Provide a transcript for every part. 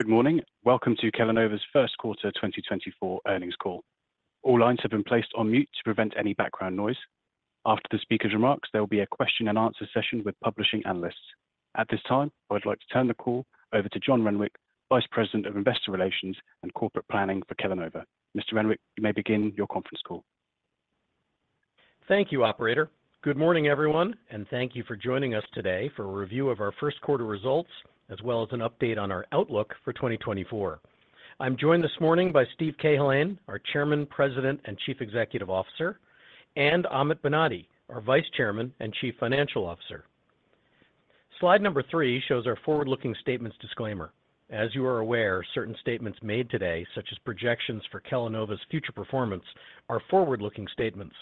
Good morning. Welcome to Kellanova's first quarter 2024 earnings call. All lines have been placed on mute to prevent any background noise. After the speaker's remarks, there will be a question-and-answer session with publishing analysts. At this time, I'd like to turn the call over to John Renwick, Vice President of Investor Relations and Corporate Planning for Kellanova. Mr. Renwick, you may begin your conference call. Thank you, operator. Good morning, everyone, and thank you for joining us today for a review of our first quarter results, as well as an update on our outlook for 2024. I'm joined this morning by Steve Cahillane, our Chairman, President, and Chief Executive Officer, and Amit Banati, our Vice Chairman and Chief Financial Officer. Slide number three shows our forward-looking statements disclaimer. As you are aware, certain statements made today, such as projections for Kellanova's future performance, are forward-looking statements.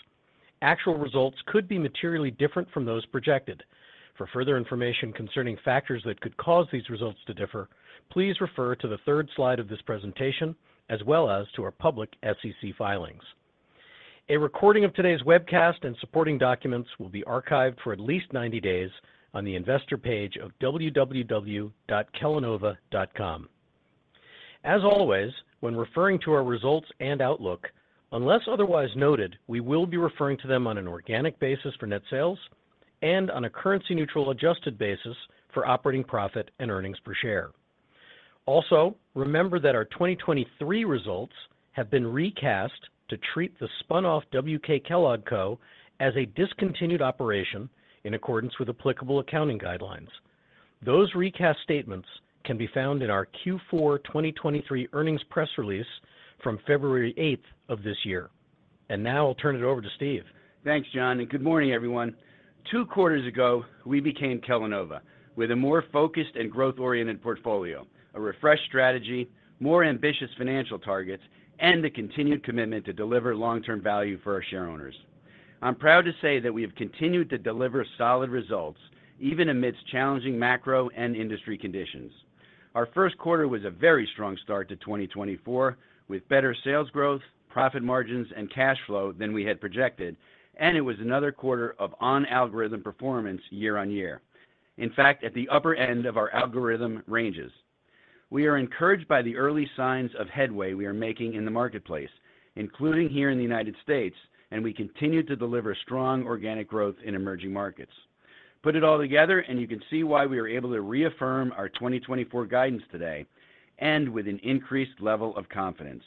Actual results could be materially different from those projected. For further information concerning factors that could cause these results to differ, please refer to the third slide of this presentation, as well as to our public SEC filings. A recording of today's webcast and supporting documents will be archived for at least 90 days on the investor page of www.kellanova.com. As always, when referring to our results and outlook, unless otherwise noted, we will be referring to them on an organic basis for net sales and on a currency-neutral, adjusted basis for operating profit and earnings per share. Also, remember that our 2023 results have been recast to treat the spun-off W.K. Kellogg Co as a discontinued operation in accordance with applicable accounting guidelines. Those recast statements can be found in our Q4 2023 earnings press release from February 8th of this year. And now I'll turn it over to Steve. Thanks, John, and good morning, everyone. Two quarters ago, we became Kellanova with a more focused and growth-oriented portfolio, a refreshed strategy, more ambitious financial targets, and the continued commitment to deliver long-term value for our shareowners. I'm proud to say that we have continued to deliver solid results, even amidst challenging macro and industry conditions. Our first quarter was a very strong start to 2024, with better sales growth, profit margins, and cash flow than we had projected, and it was another quarter of on-algorithm performance year-over-year. In fact, at the upper end of our algorithm ranges. We are encouraged by the early signs of headway we are making in the marketplace, including here in the United States, and we continue to deliver strong organic growth in emerging markets. Put it all together and you can see why we are able to reaffirm our 2024 guidance today and with an increased level of confidence.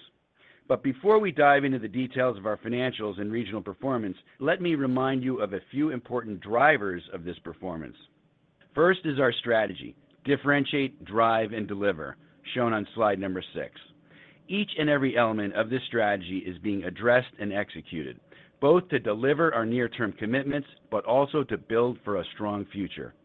But before we dive into the details of our financials and regional performance, let me remind you of a few important drivers of this performance. First is our strategy, Differentiate, Drive, and Deliver, shown on slide six. Each and every element of this strategy is being addressed and executed, both to deliver our near-term commitments, but also to build for a strong future.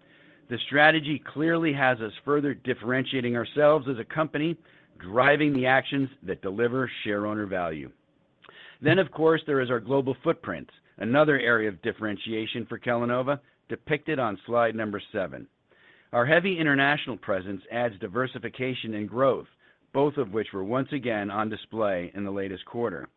The strategy clearly has us further differentiating ourselves as a company, driving the actions that deliver shareowner value. Then, of course, there is our global footprint, another area of differentiation for Kellanova, depicted on slide number seven. Our heavy international presence adds diversification and growth, both of which were once again on display in the latest quarter.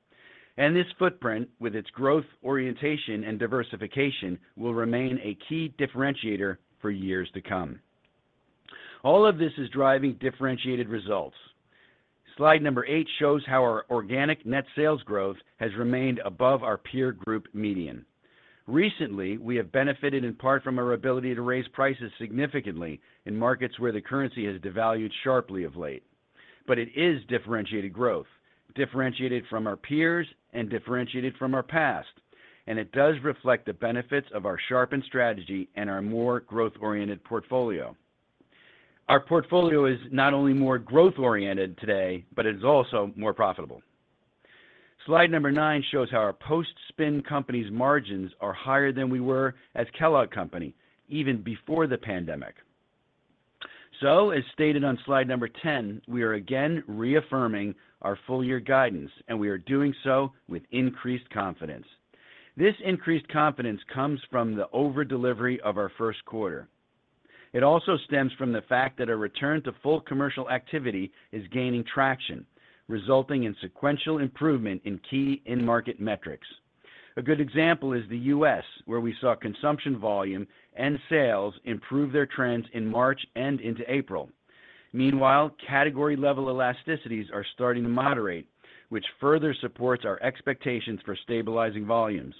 This footprint, with its growth, orientation, and diversification, will remain a key differentiator for years to come. All of this is driving differentiated results. Slide number eight shows how our Organic Net Sales growth has remained above our peer group median. Recently, we have benefited in part from our ability to raise prices significantly in markets where the currency has devalued sharply of late. But it is differentiated growth, differentiated from our peers and differentiated from our past, and it does reflect the benefits of our sharpened strategy and our more growth-oriented portfolio. Our portfolio is not only more growth-oriented today, but it's also more profitable. Slide number nine shows how our post-spin company's margins are higher than we were as Kellogg Company, even before the pandemic. As stated on slide number 10, we are again reaffirming our full year guidance, and we are doing so with increased confidence. This increased confidence comes from the over-delivery of our first quarter. It also stems from the fact that a return to full commercial activity is gaining traction, resulting in sequential improvement in key end market metrics. A good example is the U.S., where we saw consumption, volume, and sales improve their trends in March and into April. Meanwhile, category level elasticities are starting to moderate, which further supports our expectations for stabilizing volumes.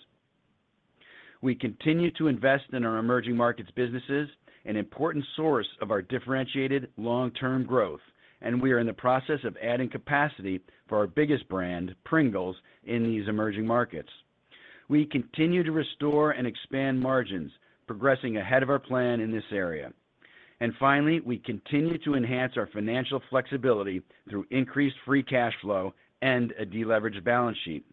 We continue to invest in our emerging markets businesses, an important source of our differentiated long-term growth, and we are in the process of adding capacity for our biggest brand, Pringles, in these emerging markets. We continue to restore and expand margins, progressing ahead of our plan in this area. And finally, we continue to enhance our financial flexibility through increased free cash flow and a deleveraged balance sheet.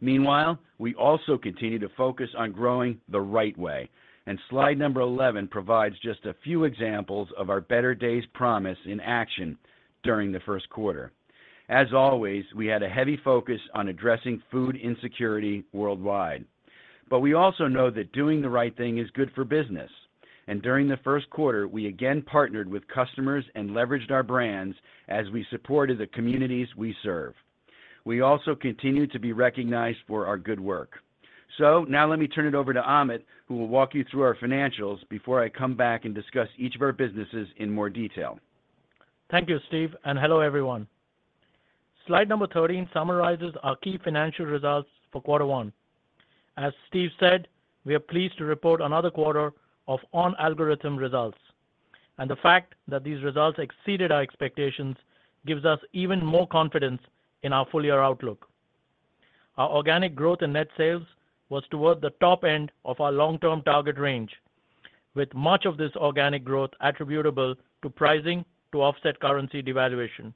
Meanwhile, we also continue to focus on growing the right way, and slide number 11 provides just a few examples of our Better Days Promise in action during the first quarter. As always, we had a heavy focus on addressing food insecurity worldwide. But we also know that doing the right thing is good for business, and during the first quarter, we again partnered with customers and leveraged our brands as we supported the communities we serve... We also continue to be recognized for our good work. So now let me turn it over to Amit, who will walk you through our financials before I come back and discuss each of our businesses in more detail. Thank you, Steve, and hello, everyone. Slide number 13 summarizes our key financial results for quarter one. As Steve said, we are pleased to report another quarter of on-algorithm results, and the fact that these results exceeded our expectations gives us even more confidence in our full-year outlook. Our organic growth in net sales was toward the top end of our long-term target range, with much of this organic growth attributable to pricing to offset currency devaluation.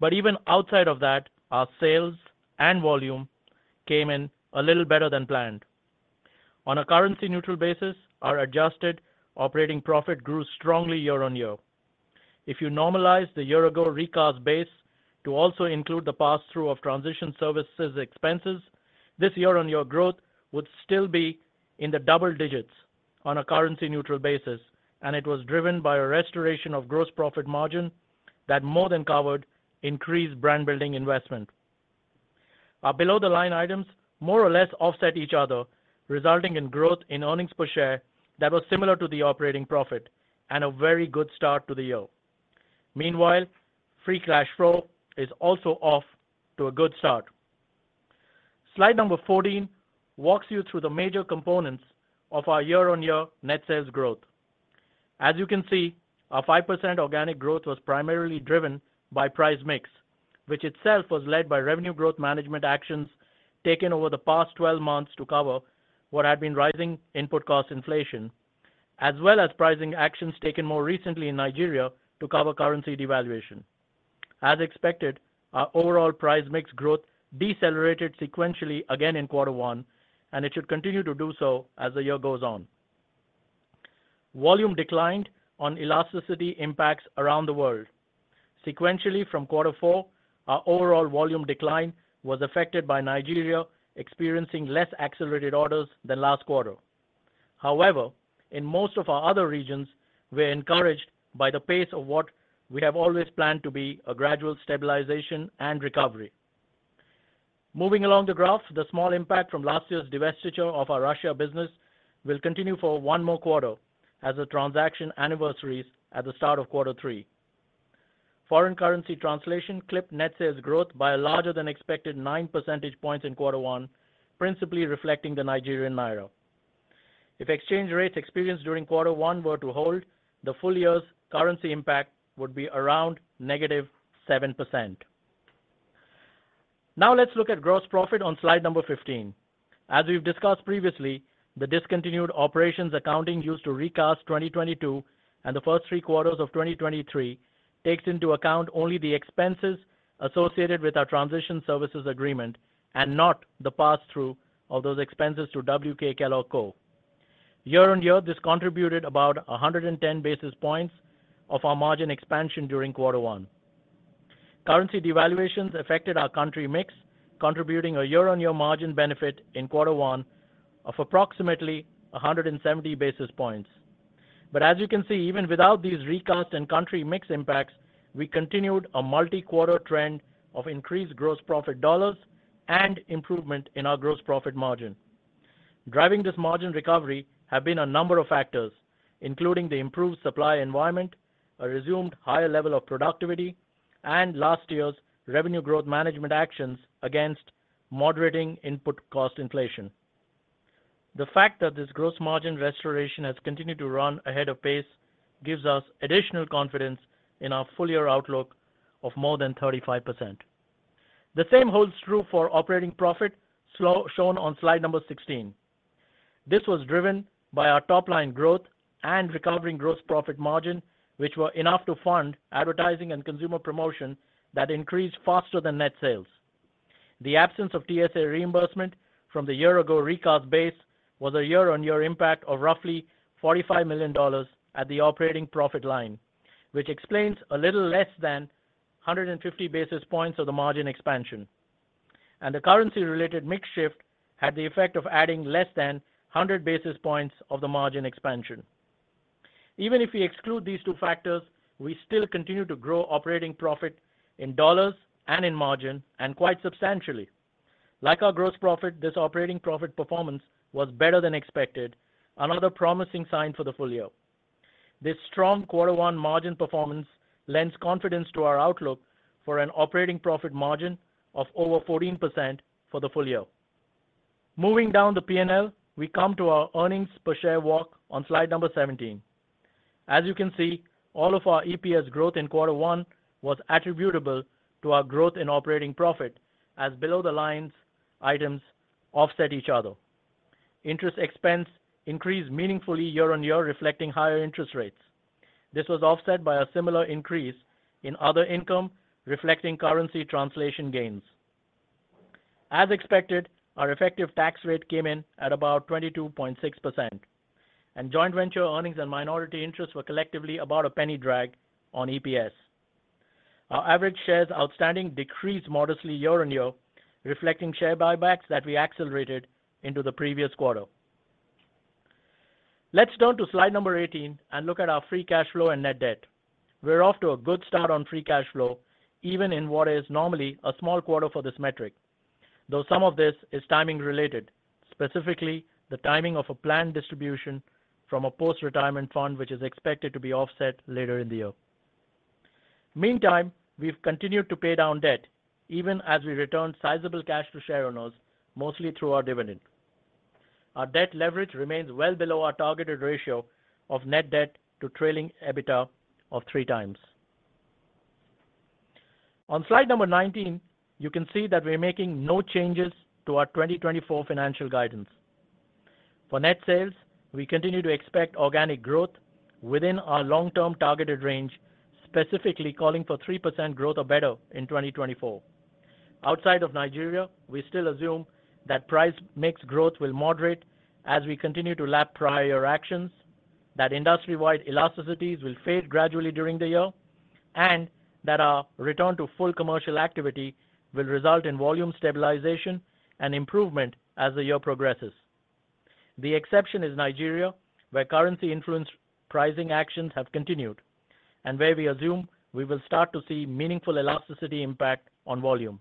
But even outside of that, our sales and volume came in a little better than planned. On a currency-neutral basis, our adjusted operating profit grew strongly year-on-year. If you normalize the year-ago recast base to also include the passthrough of transition services expenses, this year-on-year growth would still be in the double digits on a currency-neutral basis, and it was driven by a restoration of gross profit margin that more than covered increased brand-building investment. Our below-the-line items more or less offset each other, resulting in growth in earnings per share that was similar to the operating profit and a very good start to the year. Meanwhile, free cash flow is also off to a good start. Slide number 14 walks you through the major components of our year-on-year net sales growth. As you can see, our 5% organic growth was primarily driven by price mix, which itself was led by revenue growth management actions taken over the past 12 months to cover what had been rising input cost inflation, as well as pricing actions taken more recently in Nigeria to cover currency devaluation. As expected, our overall price mix growth decelerated sequentially again in quarter one, and it should continue to do so as the year goes on. Volume declined on elasticity impacts around the world. Sequentially, from quarter four, our overall volume decline was affected by Nigeria experiencing less accelerated orders than last quarter. However, in most of our other regions, we're encouraged by the pace of what we have always planned to be a gradual stabilization and recovery. Moving along the graph, the small impact from last year's divestiture of our Russia business will continue for one more quarter as the transaction anniversaries at the start of quarter three. Foreign currency translation clipped net sales growth by a larger-than-expected 9 percentage points in quarter one, principally reflecting the Nigerian naira. If exchange rates experienced during quarter one were to hold, the full year's currency impact would be around -7%. Now let's look at gross profit on slide number 15. As we've discussed previously, the discontinued operations accounting used to recast 2022 and the first three quarters of 2023 takes into account only the expenses associated with our Transition Services Agreement and not the passthrough of those expenses to W.K. Kellogg Co. Year-on-year, this contributed about 110 basis points of our margin expansion during quarter one. Currency devaluations affected our country mix, contributing a year-on-year margin benefit in quarter one of approximately 170 basis points. But as you can see, even without these recast and country mix impacts, we continued a multi-quarter trend of increased gross profit dollars and improvement in our gross profit margin. Driving this margin recovery have been a number of factors, including the improved supply environment, a resumed higher level of productivity, and last year's revenue growth management actions against moderating input cost inflation. The fact that this gross margin restoration has continued to run ahead of pace gives us additional confidence in our full-year outlook of more than 35%. The same holds true for operating profit, shown on slide number 16. This was driven by our top-line growth and recovering gross profit margin, which were enough to fund advertising and consumer promotion that increased faster than net sales. The absence of TSA reimbursement from the year-ago recast base was a year-on-year impact of roughly $45 million at the operating profit line, which explains a little less than 150 basis points of the margin expansion. The currency-related mix shift had the effect of adding less than 100 basis points of the margin expansion. Even if we exclude these two factors, we still continue to grow operating profit in dollars and in margin, and quite substantially. Like our gross profit, this operating profit performance was better than expected, another promising sign for the full year. This strong quarter one margin performance lends confidence to our outlook for an operating profit margin of over 14% for the full year. Moving down the P&L, we come to our earnings per share walk on slide number 17. As you can see, all of our EPS growth in quarter one was attributable to our growth in operating profit, as below-the-line items offset each other. Interest expense increased meaningfully year-on-year, reflecting higher interest rates. This was offset by a similar increase in other income, reflecting currency translation gains. As expected, our effective tax rate came in at about 22.6%, and joint venture earnings and minority interests were collectively about a penny drag on EPS. Our average shares outstanding decreased modestly year-on-year, reflecting share buybacks that we accelerated into the previous quarter....Let's turn to slide number 18 and look at our free cash flow and net debt. We're off to a good start on free cash flow, even in what is normally a small quarter for this metric, though some of this is timing related, specifically the timing of a planned distribution from a post-retirement fund, which is expected to be offset later in the year. Meantime, we've continued to pay down debt even as we return sizable cash to shareowners, mostly through our dividend. Our debt leverage remains well below our targeted ratio of net debt to trailing EBITDA of 3x. On slide number 19, you can see that we're making no changes to our 2024 financial guidance. For net sales, we continue to expect organic growth within our long-term targeted range, specifically calling for 3% growth or better in 2024. Outside of Nigeria, we still assume that price mix growth will moderate as we continue to lap prior actions, that industry-wide elasticities will fade gradually during the year, and that our return to full commercial activity will result in volume stabilization and improvement as the year progresses. The exception is Nigeria, where currency influence pricing actions have continued, and where we assume we will start to see meaningful elasticity impact on volume.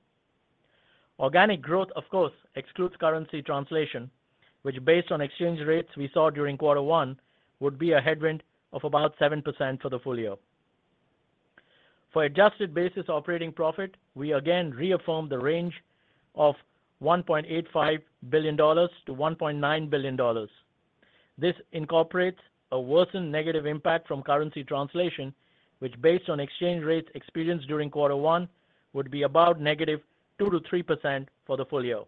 Organic growth, of course, excludes currency translation, which, based on exchange rates we saw during quarter one, would be a headwind of about 7% for the full year. For adjusted basis operating profit, we again reaffirm the range of $1.85 billion-$1.9 billion. This incorporates a worsened negative impact from currency translation, which, based on exchange rates experienced during quarter one, would be about -2% to -3% for the full year.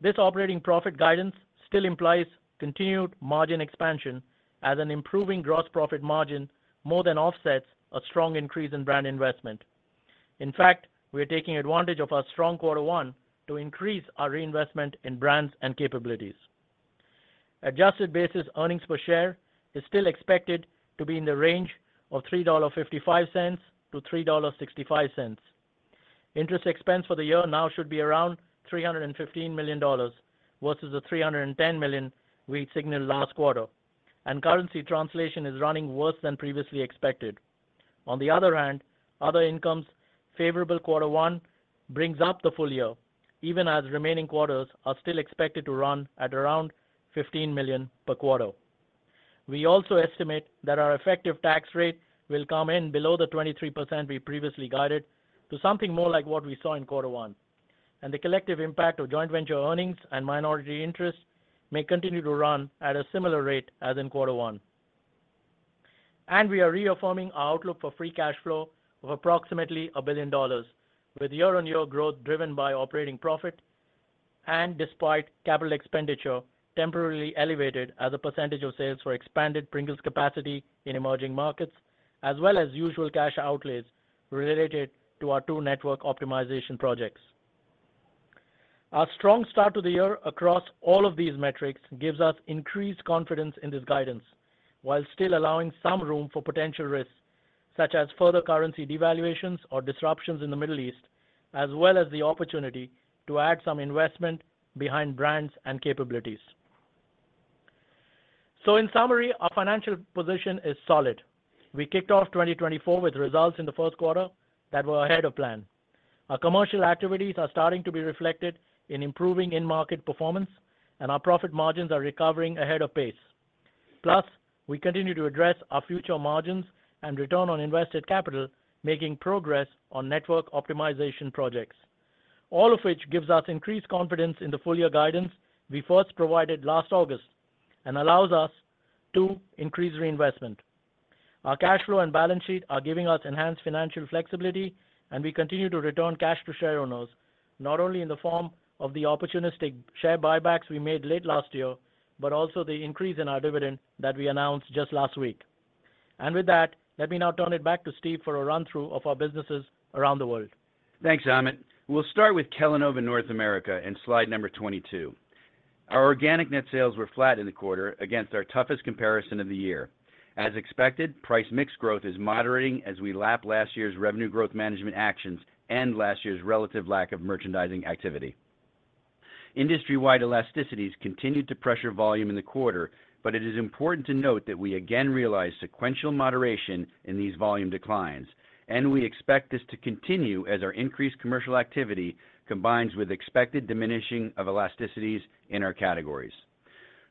This operating profit guidance still implies continued margin expansion as an improving gross profit margin more than offsets a strong increase in brand investment. In fact, we are taking advantage of our strong quarter one to increase our reinvestment in brands and capabilities. Adjusted basis earnings per share is still expected to be in the range of $3.55-$3.65. Interest expense for the year now should be around $315 million versus the $310 million we signaled last quarter, and currency translation is running worse than previously expected. On the other hand, other incomes favorable quarter one brings up the full year, even as remaining quarters are still expected to run at around $15 million per quarter. We also estimate that our effective tax rate will come in below the 23% we previously guided to something more like what we saw in quarter one, and the collective impact of joint venture earnings and minority interests may continue to run at a similar rate as in quarter one. And we are reaffirming our outlook for free cash flow of approximately $1 billion, with year-on-year growth driven by operating profit and despite capital expenditure temporarily elevated as a percentage of sales for expanded Pringles capacity in emerging markets, as well as usual cash outlays related to our two network optimization projects. Our strong start to the year across all of these metrics gives us increased confidence in this guidance, while still allowing some room for potential risks, such as further currency devaluations or disruptions in the Middle East, as well as the opportunity to add some investment behind brands and capabilities. In summary, our financial position is solid. We kicked off 2024 with results in the first quarter that were ahead of plan. Our commercial activities are starting to be reflected in improving in-market performance and our profit margins are recovering ahead of pace. We continue to address our future margins and return on invested capital, making progress on network optimization projects. All of which gives us increased confidence in the full year guidance we first provided last August and allows us to increase reinvestment. Our cash flow and balance sheet are giving us enhanced financial flexibility, and we continue to return cash to shareowners, not only in the form of the opportunistic share buybacks we made late last year, but also the increase in our dividend that we announced just last week. With that, let me now turn it back to Steve for a run-through of our businesses around the world. Thanks, Amit. We'll start with Kellanova North America in slide number 22. Our organic net sales were flat in the quarter against our toughest comparison of the year. As expected, price mix growth is moderating as we lap last year's revenue growth management actions and last year's relative lack of merchandising activity. Industry-wide elasticities continued to pressure volume in the quarter, but it is important to note that we again realized sequential moderation in these volume declines, and we expect this to continue as our increased commercial activity combines with expected diminishing of elasticities in our categories.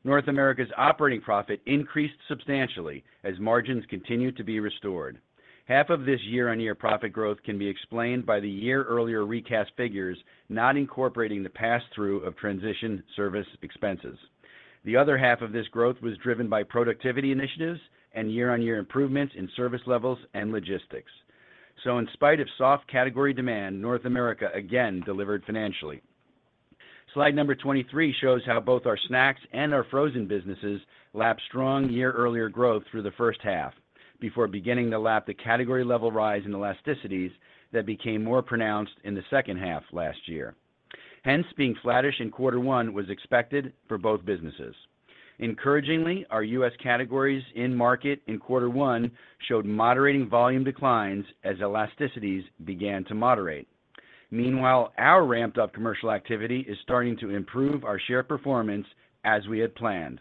North America's operating profit increased substantially as margins continued to be restored. Half of this year-on-year profit growth can be explained by the year earlier recast figures, not incorporating the pass-through of transition service expenses. The other half of this growth was driven by productivity initiatives and year-on-year improvements in service levels and logistics. So in spite of soft category demand, North America again delivered financially. Slide number 23 shows how both our snacks and our frozen businesses lap strong year earlier growth through the first half, before beginning to lap the category level rise in elasticities that became more pronounced in the second half last year. Hence, being flattish in quarter one was expected for both businesses. Encouragingly, our U.S. categories in market in quarter one showed moderating volume declines as elasticities began to moderate. Meanwhile, our ramped-up commercial activity is starting to improve our share performance as we had planned.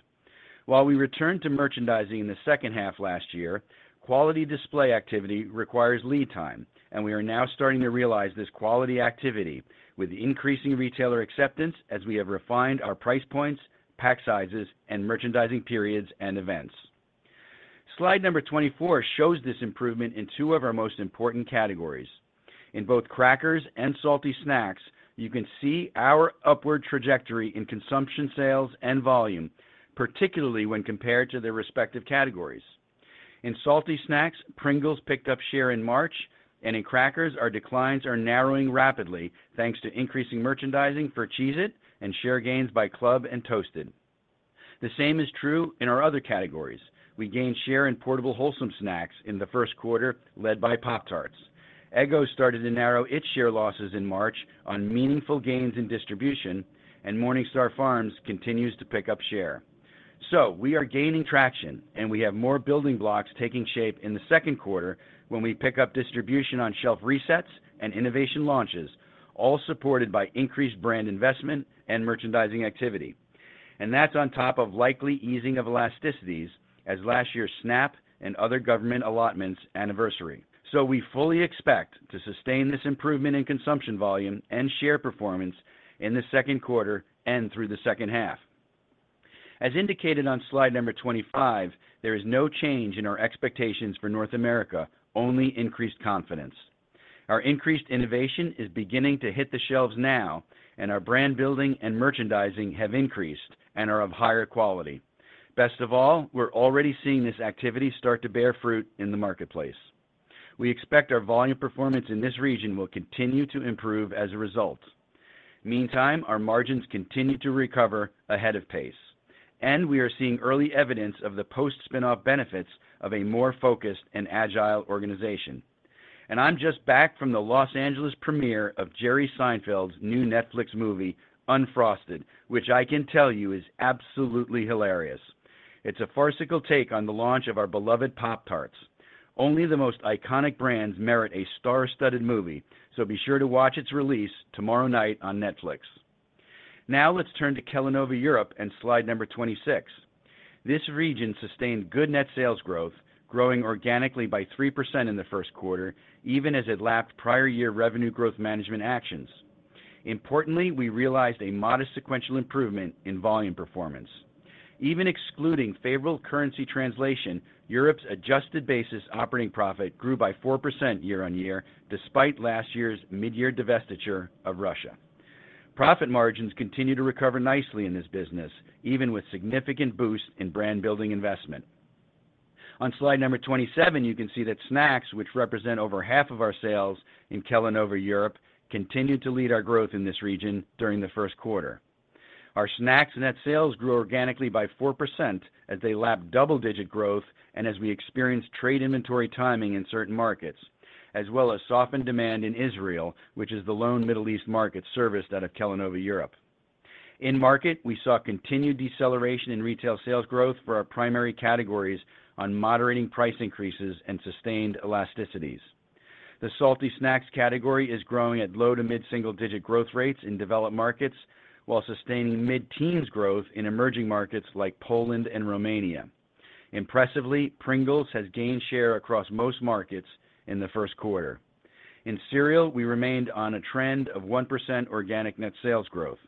While we returned to merchandising in the second half last year, quality display activity requires lead time, and we are now starting to realize this quality activity with increasing retailer acceptance as we have refined our price points, pack sizes, and merchandising periods and events. Slide number 24 shows this improvement in two of our most important categories. In both crackers and salty snacks, you can see our upward trajectory in consumption, sales, and volume, particularly when compared to their respective categories. In salty snacks, Pringles picked up share in March, and in crackers, our declines are narrowing rapidly, thanks to increasing merchandising for Cheez-It and share gains by Club and Toasteds. The same is true in our other categories. We gained share in Portable Wholesome Snacks in the first quarter, led by Pop-Tarts. Eggo started to narrow its share losses in March on meaningful gains in distribution, and MorningStar Farms continues to pick up share. We are gaining traction, and we have more building blocks taking shape in the second quarter when we pick up distribution on shelf resets and innovation launches, all supported by increased brand investment and merchandising activity. That's on top of likely easing of elasticities as last year's SNAP and other government allotments anniversary. We fully expect to sustain this improvement in consumption volume and share performance in the second quarter and through the second half. As indicated on slide number 25, there is no change in our expectations for North America, only increased confidence. Our increased innovation is beginning to hit the shelves now, and our brand building and merchandising have increased and are of higher quality. Best of all, we're already seeing this activity start to bear fruit in the marketplace. We expect our volume performance in this region will continue to improve as a result. Meantime, our margins continue to recover ahead of pace, and we are seeing early evidence of the post-spin-off benefits of a more focused and agile organization. And I'm just back from the Los Angeles premiere of Jerry Seinfeld's new Netflix movie, Unfrosted, which I can tell you is absolutely hilarious. It's a farcical take on the launch of our beloved Pop-Tarts. Only the most iconic brands merit a star-studded movie, so be sure to watch its release tomorrow night on Netflix. Now, let's turn to Kellanova Europe and slide number 26. This region sustained good net sales growth, growing organically by 3% in the first quarter, even as it lapped prior-year revenue growth management actions. Importantly, we realized a modest sequential improvement in volume performance. Even excluding favorable currency translation, Europe's adjusted operating profit grew by 4% year-on-year, despite last year's midyear divestiture of Russia. Profit margins continue to recover nicely in this business, even with significant boosts in brand building investment. On slide number 27, you can see that snacks, which represent over half of our sales in Kellanova Europe, continued to lead our growth in this region during the first quarter. Our snacks net sales grew organically by 4% as they lapped double-digit growth and as we experienced trade inventory timing in certain markets, as well as softened demand in Israel, which is the lone Middle East market serviced out of Kellanova Europe. In-market, we saw continued deceleration in retail sales growth for our primary categories on moderating price increases and sustained elasticities. The salty snacks category is growing at low- to mid-single-digit growth rates in developed markets, while sustaining mid-teens growth in emerging markets like Poland and Romania. Impressively, Pringles has gained share across most markets in the first quarter. In cereal, we remained on a trend of 1% organic net sales growth.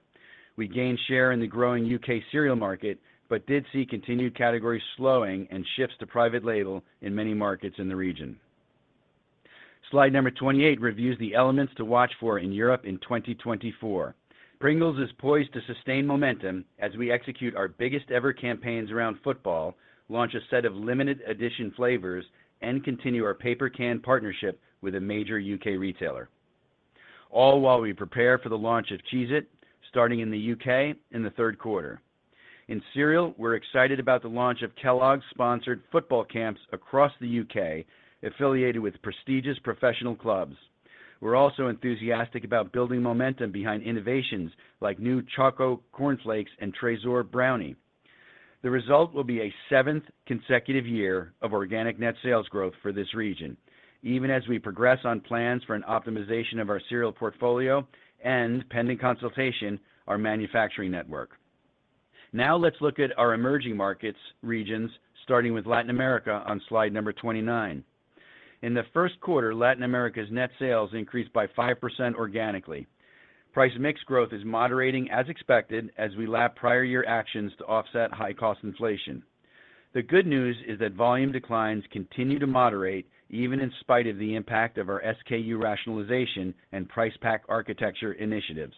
We gained share in the growing U.K. cereal market, but did see continued category slowing and shifts to private label in many markets in the region. Slide number 28 reviews the elements to watch for in Europe in 2024. Pringles is poised to sustain momentum as we execute our biggest ever campaigns around football, launch a set of limited edition flavors, and continue our paper can partnership with a major UK retailer, all while we prepare for the launch of Cheez-It, starting in the U.K. in the third quarter. In cereal, we're excited about the launch of Kellogg's sponsored football camps across the U.K., affiliated with prestigious professional clubs. We're also enthusiastic about building momentum behind innovations like new Choco Corn Flakes and Trésor Brownie. The result will be a seventh consecutive year of organic net sales growth for this region, even as we progress on plans for an optimization of our cereal portfolio and, pending consultation, our manufacturing network. Now let's look at our emerging markets regions, starting with Latin America on slide number 29. In the first quarter, Latin America's net sales increased by 5% organically. Price mix growth is moderating as expected, as we lap prior year actions to offset high cost inflation. The good news is that volume declines continue to moderate, even in spite of the impact of our SKU rationalization and price pack architecture initiatives.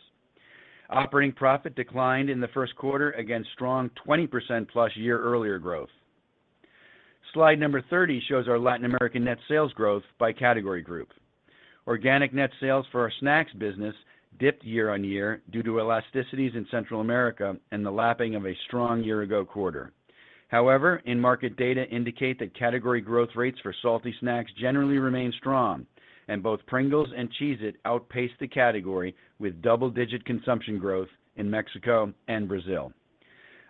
Operating profit declined in the first quarter against strong 20%+ year-earlier growth. Slide number 30 shows our Latin American net sales growth by category group. Organic net sales for our snacks business dipped year-on-year due to elasticities in Central America and the lapping of a strong year-ago quarter. However, in-market data indicate that category growth rates for salty snacks generally remain strong, and both Pringles and Cheez-It outpaced the category with double-digit consumption growth in Mexico and Brazil.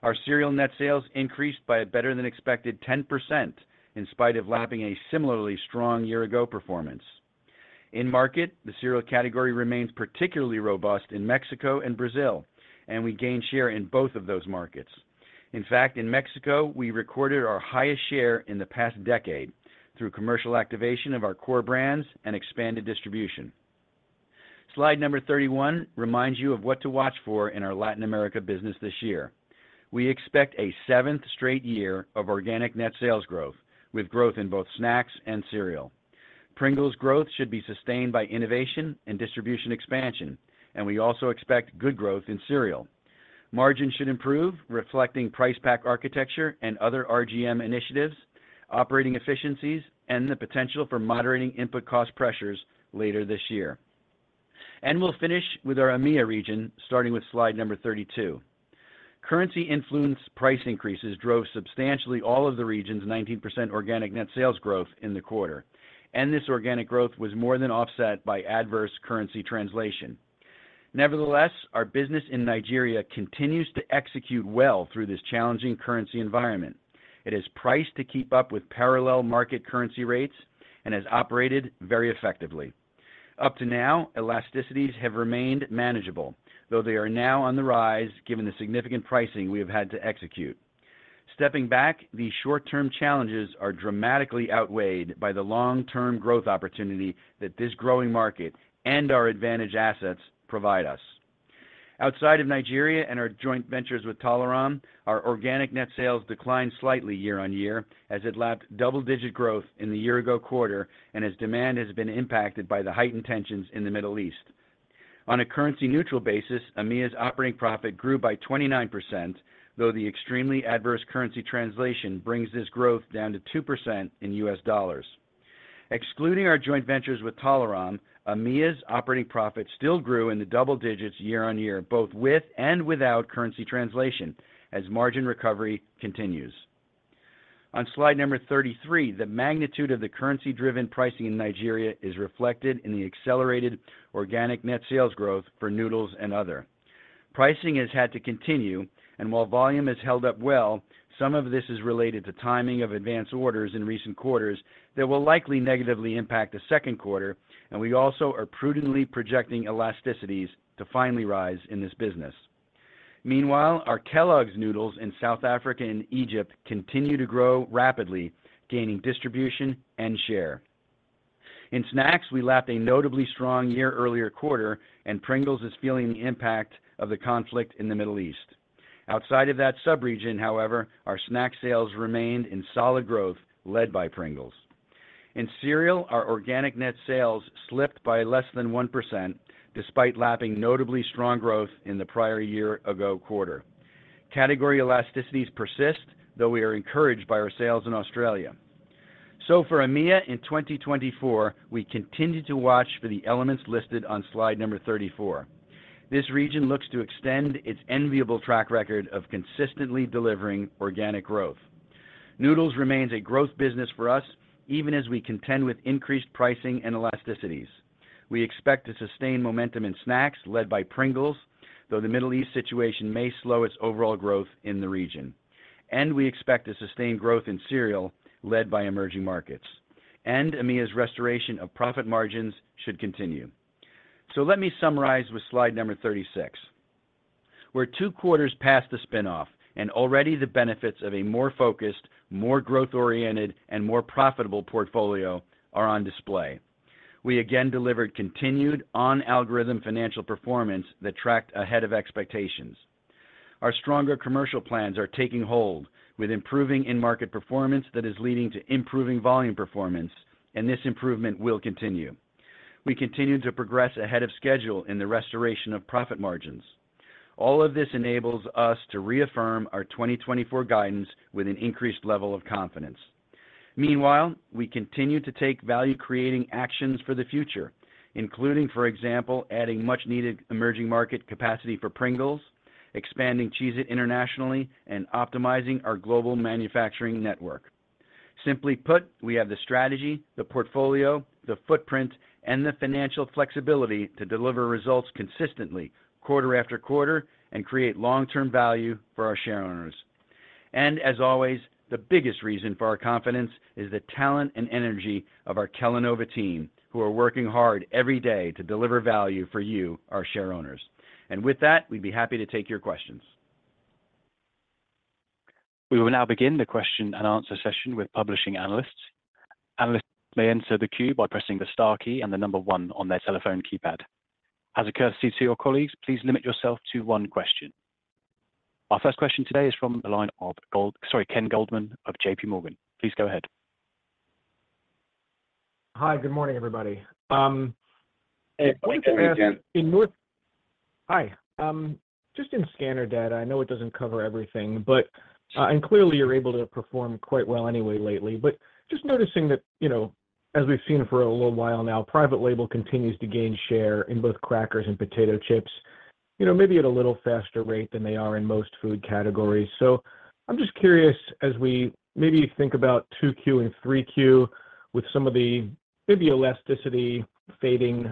Our cereal net sales increased by a better-than-expected 10%, in spite of lapping a similarly strong year-ago performance. In-market, the cereal category remains particularly robust in Mexico and Brazil, and we gained share in both of those markets. In fact, in Mexico, we recorded our highest share in the past decade through commercial activation of our core brands and expanded distribution. Slide number 31 reminds you of what to watch for in our Latin America business this year. We expect a 7th straight year of organic net sales growth, with growth in both snacks and cereal. Pringles growth should be sustained by innovation and distribution expansion, and we also expect good growth in cereal. Margins should improve, reflecting price pack architecture and other RGM initiatives, operating efficiencies, and the potential for moderating input cost pressures later this year. We'll finish with our EMEA region, starting with slide number 32. Currency influence price increases drove substantially all of the region's 19% organic net sales growth in the quarter, and this organic growth was more than offset by adverse currency translation. Nevertheless, our business in Nigeria continues to execute well through this challenging currency environment. It is priced to keep up with parallel market currency rates and has operated very effectively. Up to now, elasticities have remained manageable, though they are now on the rise, given the significant pricing we have had to execute. Stepping back, these short-term challenges are dramatically outweighed by the long-term growth opportunity that this growing market and our advantage assets provide us. Outside of Nigeria and our joint ventures with Tolaram, our organic net sales declined slightly year-on-year, as it lapped double-digit growth in the year-ago quarter and as demand has been impacted by the heightened tensions in the Middle East. On a currency-neutral basis, EMEA's operating profit grew by 29%, though the extremely adverse currency translation brings this growth down to 2% in U.S. dollars. Excluding our joint ventures with Tolaram, EMEA's operating profit still grew in the double digits year-on-year, both with and without currency translation, as margin recovery continues. On slide number 33, the magnitude of the currency-driven pricing in Nigeria is reflected in the accelerated organic net sales growth for Noodles and Other. Pricing has had to continue, and while volume has held up well, some of this is related to timing of advanced orders in recent quarters that will likely negatively impact the second quarter, and we also are prudently projecting elasticities to finally rise in this business. Meanwhile, our Kellogg's noodles in South Africa and Egypt continue to grow rapidly, gaining distribution and share. In snacks, we lapped a notably strong year-earlier quarter, and Pringles is feeling the impact of the conflict in the Middle East. Outside of that subregion, however, our snack sales remained in solid growth, led by Pringles. In cereal, our organic net sales slipped by less than 1%, despite lapping notably strong growth in the prior year-ago quarter. Category elasticities persist, though we are encouraged by our sales in Australia. So for EMEA in 2024, we continue to watch for the elements listed on slide number 34. This region looks to extend its enviable track record of consistently delivering organic growth. Noodles remains a growth business for us, even as we contend with increased pricing and elasticities. We expect to sustain momentum in snacks, led by Pringles, though the Middle East situation may slow its overall growth in the region. We expect to sustain growth in cereal, led by emerging markets. EMEA's restoration of profit margins should continue. So let me summarize with slide number 36. We're two quarters past the spin-off, and already the benefits of a more focused, more growth-oriented, and more profitable portfolio are on display. We again delivered continued on-algorithm financial performance that tracked ahead of expectations. Our stronger commercial plans are taking hold, with improving in-market performance that is leading to improving volume performance, and this improvement will continue. We continue to progress ahead of schedule in the restoration of profit margins. All of this enables us to reaffirm our 2024 guidance with an increased level of confidence. Meanwhile, we continue to take value-creating actions for the future, including, for example, adding much-needed emerging market capacity for Pringles, expanding Cheez-It internationally, and optimizing our global manufacturing network. Simply put, we have the strategy, the portfolio, the footprint, and the financial flexibility to deliver results consistently quarter after quarter and create long-term value for our shareowners. And as always, the biggest reason for our confidence is the talent and energy of our Kellanova team, who are working hard every day to deliver value for you, our shareowners. With that, we'd be happy to take your questions. We will now begin the question-and-answer session with participating analysts. Analysts may enter the queue by pressing the star key and the number one on their telephone keypad. As a courtesy to your colleagues, please limit yourself to one question. Our first question today is from the line of Ken Goldman of JPMorgan. Please go ahead. Hi, good morning, everybody. I wanted to ask- Good morning, Ken. -in North... Hi. Just in scanner data, I know it doesn't cover everything, but, and clearly you're able to perform quite well anyway lately, but just noticing that, you know, as we've seen for a little while now, private label continues to gain share in both crackers and potato chips, you know, maybe at a little faster rate than they are in most food categories. So I'm just curious, as we maybe think about 2Q and 3Q, with some of the maybe elasticity fading,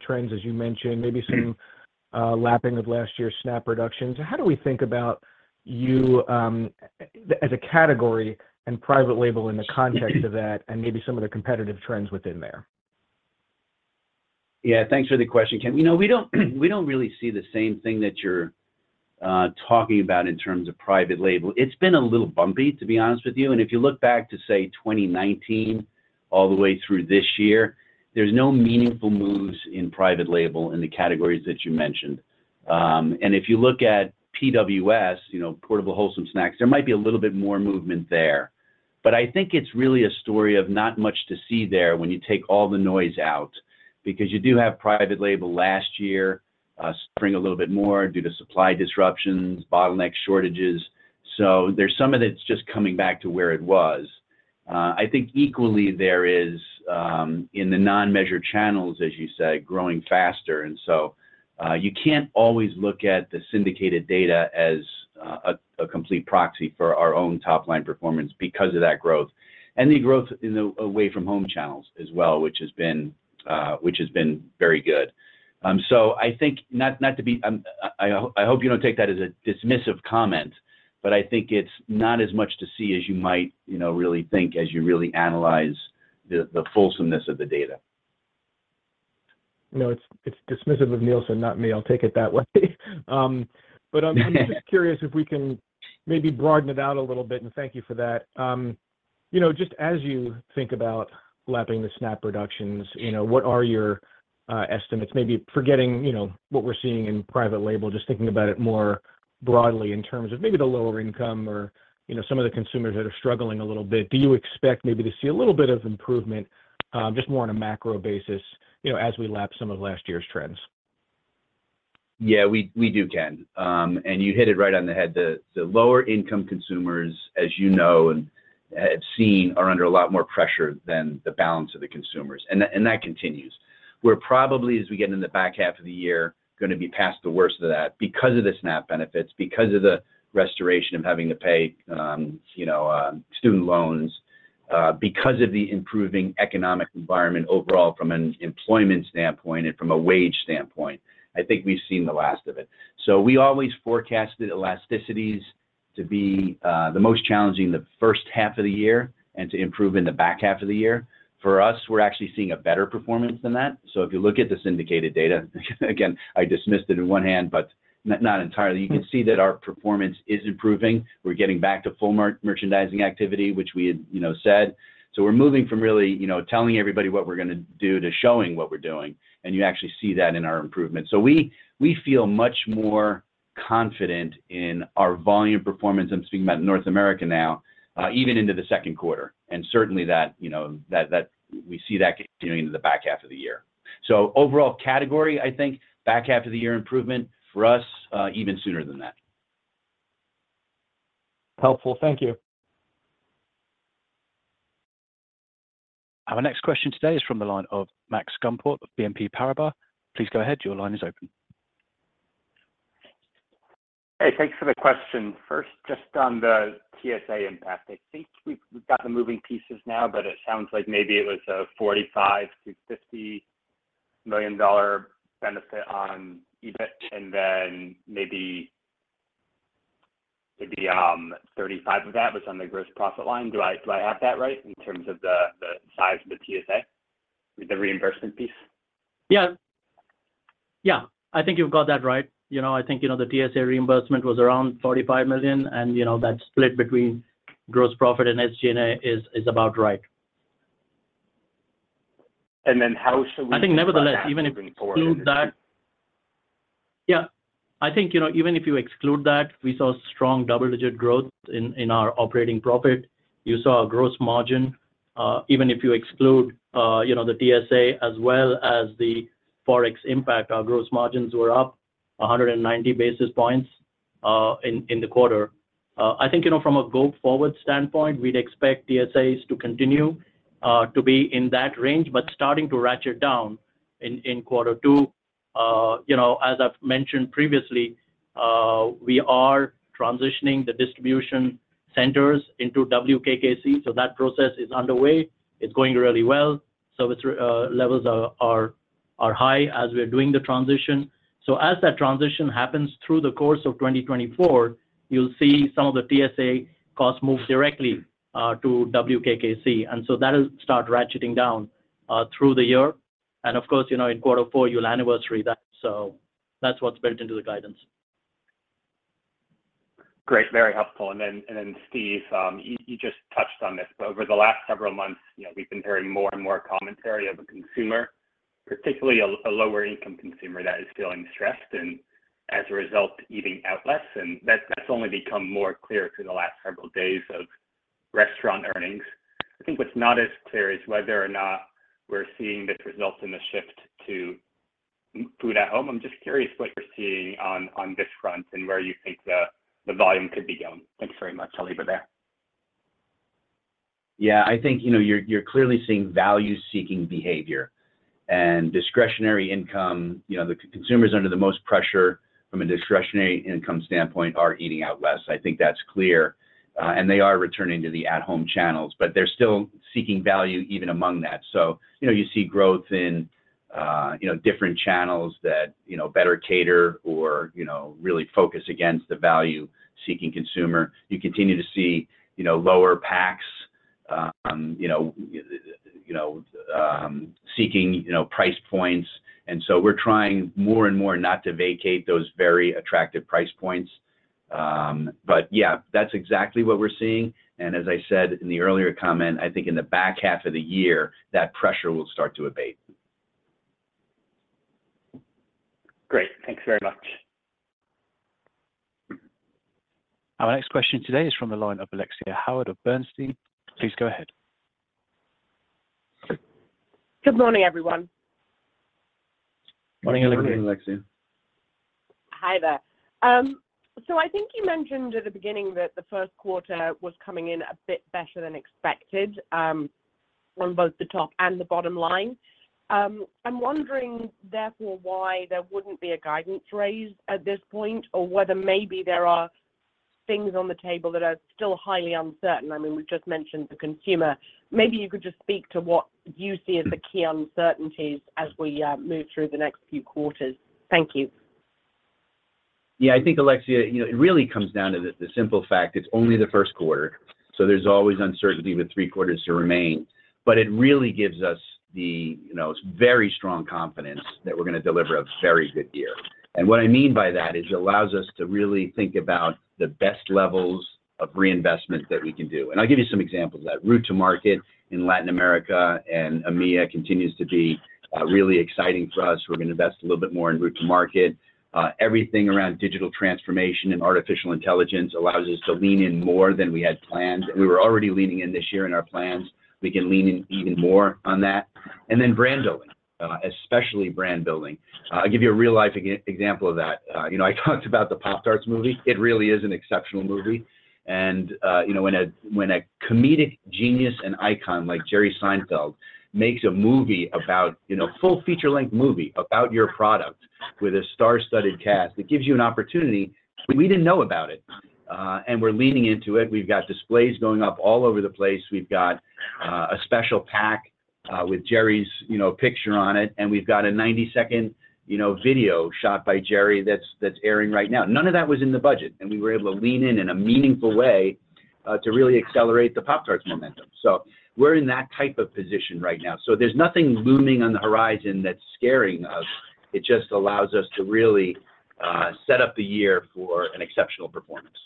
trends, as you mentioned, maybe some-... lapping of last year's SNAP reductions. How do we think about you, as a category and private label in the context of that, and maybe some of the competitive trends within there? Yeah, thanks for the question, Ken. You know, we don't, we don't really see the same thing that you're talking about in terms of private label. It's been a little bumpy, to be honest with you, and if you look back to, say, 2019 all the way through this year, there's no meaningful moves in private label in the categories that you mentioned. And if you look at PWS, you know, Portable Wholesome Snacks, there might be a little bit more movement there. But I think it's really a story of not much to see there when you take all the noise out, because you do have private label last year, spring a little bit more due to supply disruptions, bottleneck shortages. So there's some of it's just coming back to where it was. I think equally there is in the non-measured channels, as you say, growing faster, and so you can't always look at the syndicated data as a complete proxy for our own top-line performance because of that growth. And the growth in the away-from-home channels as well, which has been very good. So I think, not to be... I hope you don't take that as a dismissive comment, but I think it's not as much to see as you might, you know, really think as you really analyze the fullness of the data. No, it's dismissive of Nielsen, not me. I'll take it that way. But I'm just curious if we can maybe broaden it out a little bit, and thank you for that. You know, just as you think about lapping the SNAP reductions, you know, what are your estimates? Maybe forgetting, you know, what we're seeing in private label, just thinking about it more broadly in terms of maybe the lower income or, you know, some of the consumers that are struggling a little bit. Do you expect maybe to see a little bit of improvement, just more on a macro basis, you know, as we lap some of last year's trends? Yeah, we do, Ken. And you hit it right on the head. The lower income consumers, as you know, and have seen, are under a lot more pressure than the balance of the consumers, and that continues. We're probably, as we get in the back half of the year, gonna be past the worst of that because of the SNAP benefits, because of the restoration of having to pay, you know, student loans, because of the improving economic environment overall from an employment standpoint and from a wage standpoint. I think we've seen the last of it. So we always forecasted elasticities to be the most challenging the first half of the year and to improve in the back half of the year. For us, we're actually seeing a better performance than that. So if you look at the syndicated data, again, I dismissed it in one hand, but not entirely. You can see that our performance is improving. We're getting back to full merchandising activity, which we had, you know, said. So we're moving from really, you know, telling everybody what we're gonna do, to showing what we're doing, and you actually see that in our improvement. So we feel much more confident in our volume performance. I'm speaking about North America now, even into the second quarter. And certainly that, you know, we see that continuing in the back half of the year. So overall category, I think, back half of the year improvement for us, even sooner than that. Helpful. Thank you. Our next question today is from the line of Max Gumport of BNP Paribas. Please go ahead, your line is open. Hey, thanks for the question. First, just on the TSA impact, I think we've got the moving pieces now, but it sounds like maybe it was a $45 million-$50 million benefit on EBIT, and then maybe 35 of that was on the gross profit line. Do I have that right in terms of the size of the TSA, the reimbursement piece? Yeah. Yeah, I think you've got that right. You know, I think, you know, the TSA reimbursement was around $45 million, and, you know, that split between gross profit and SG&A is about right. And then how should we- I think nevertheless, even if you exclude that- Yeah. I think, you know, even if you exclude that, we saw strong double-digit growth in our operating profit. You saw a gross margin, even if you exclude, you know, the TSA as well as the Forex impact, our gross margins were up 190 basis points in the quarter. I think, you know, from a go-forward standpoint, we'd expect TSAs to continue to be in that range, but starting to ratchet down in quarter two. You know, as I've mentioned previously, we are transitioning the distribution centers into WKKC, so that process is underway. It's going really well. So it's levels are high as we are doing the transition. So as that transition happens through the course of 2024, you'll see some of the TSA costs move directly to WKKC, and so that'll start ratcheting down through the year. And of course, you know, in quarter four, you'll anniversary that, so that's what's built into the guidance. Great, very helpful. And then, Steve, you just touched on this. But over the last several months, you know, we've been hearing more and more commentary of a consumer, particularly a lower income consumer that is feeling stressed, and as a result, eating out less, and that's only become more clear through the last several days of restaurant earnings. I think what's not as clear is whether or not we're seeing this result in a shift to food at home. I'm just curious what you're seeing on this front and where you think the volume could be going. Thanks very much. I'll leave it there. Yeah, I think, you know, you're clearly seeing value-seeking behavior and discretionary income. You know, the consumers under the most pressure from a discretionary income standpoint are eating out less. I think that's clear, and they are returning to the at-home channels, but they're still seeking value even among that. So, you know, you see growth in, you know, different channels that, you know, better cater or, you know, really focus against the value-seeking consumer. You continue to see, you know, lower packs, you know, seeking, you know, price points, and so we're trying more and more not to vacate those very attractive price points. But yeah, that's exactly what we're seeing, and as I said in the earlier comment, I think in the back half of the year, that pressure will start to abate. Great. Thanks very much. Our next question today is from the line of Alexia Howard of Bernstein. Please go ahead. Good morning, everyone. Morning, Alexia. Good morning, Alexia. Hi there. So I think you mentioned at the beginning that the first quarter was coming in a bit better than expected, on both the top and the bottom line. I'm wondering, therefore, why there wouldn't be a guidance raise at this point, or whether maybe there are things on the table that are still highly uncertain. I mean, we've just mentioned the consumer. Maybe you could just speak to what you see as the key uncertainties as we move through the next few quarters. Thank you. Yeah, I think, Alexia, you know, it really comes down to the, the simple fact, it's only the first quarter, so there's always uncertainty with three quarters to remain. But it really gives us the, you know, very strong confidence that we're gonna deliver a very good year. And what I mean by that is it allows us to really think about the best levels of reinvestment that we can do. And I'll give you some examples of that. Route to market in Latin America and EMEA continues to be really exciting for us. We're gonna invest a little bit more in route to market. Everything around digital transformation and artificial intelligence allows us to lean in more than we had planned. We were already leaning in this year in our plans. We can lean in even more on that. And then brand building, especially brand building. I'll give you a real-life example of that. You know, I talked about the Pop-Tarts movie. It really is an exceptional movie, and, you know, when a comedic genius and icon like Jerry Seinfeld makes a movie about, you know, full feature-length movie about your product with a star-studded cast, it gives you an opportunity. We didn't know about it, and we're leaning into it. We've got displays going up all over the place. We've got a special pack with Jerry's, you know, picture on it, and we've got a 90-second, you know, video shot by Jerry that's airing right now. None of that was in the budget, and we were able to lean in in a meaningful way to really accelerate the Pop-Tarts momentum. So we're in that type of position right now. So there's nothing looming on the horizon that's scaring us. It just allows us to really set up the year for an exceptional performance.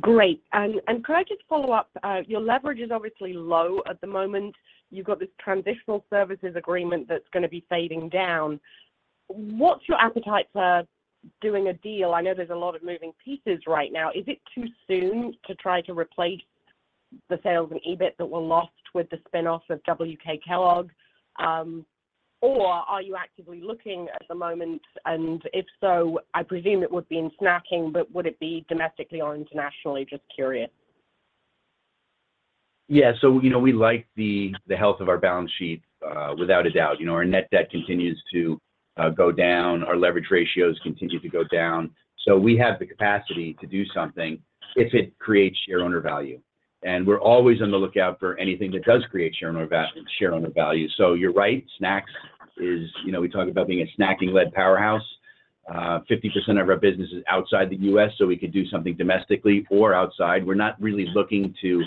Great. And could I just follow up? Your leverage is obviously low at the moment. You've got this Transition Services Agreement that's gonna be fading down. What's your appetite for doing a deal? I know there's a lot of moving pieces right now. Is it too soon to try to replace the sales and EBIT that were lost with the spinoff of W.K. Kellogg Co? Or are you actively looking at the moment? And if so, I presume it would be in snacking, but would it be domestically or internationally? Just curious. Yeah, so, you know, we like the, the health of our balance sheet, without a doubt. You know, our net debt continues to go down, our leverage ratios continue to go down. So we have the capacity to do something if it creates shareowner value. And we're always on the lookout for anything that does create shareowner value. So you're right, snacks is... You know, we talk about being a snacking-led powerhouse. 50% of our business is outside the U.S., so we could do something domestically or outside. We're not really looking to